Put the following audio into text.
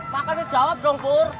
makanya jawab dong pur